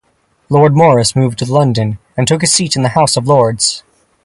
Lord Morris moved to London and took his seat in the House of Lords.